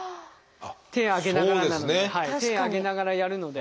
手上げながらなので手上げながらやるので。